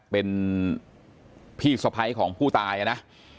เป็นพี่สะพ้ายของผู้ตายนะ